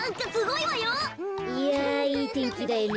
いやいいてんきだよね。